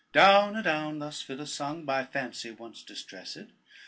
Down a down, Thus Phyllis sung By fancy once distressed, &c.